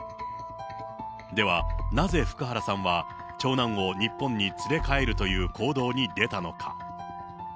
では、なぜ福原さんは長男を日本に連れ帰るという行動に出たのか。